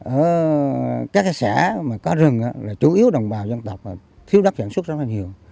ở các cái xã mà có rừng là chủ yếu đồng bào dân tộc thiếu đất sản xuất rất là nhiều